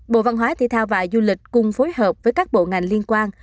bộ văn hóa thể thao và du lịch cùng phối hợp với các bộ ngành liên quan